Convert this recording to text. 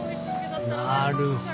なるほど。